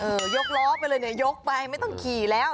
ยกล้อไปเลยเนี่ยยกไปไม่ต้องขี่แล้ว